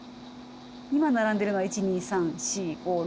今並んでるのは１２３４５６。